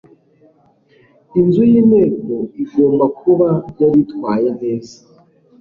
inzu y'inteko igomba kuba yaritwaye neza